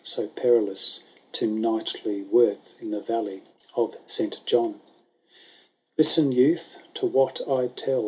So perilous to knightly worth. In the valley of St. John ? Listen, youth, to what I tell.